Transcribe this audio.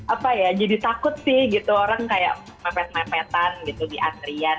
apa ya jadi takut sih gitu orang kayak mepet mepetan gitu di antrian